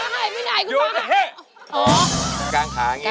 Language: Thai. เดี๋ยวคุณบางให้ไหมหน่ายคุณบางให้